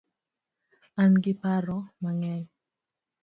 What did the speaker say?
An gi paro mangeny